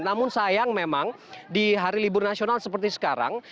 namun sayang memang di hari libur nasional seperti sekarang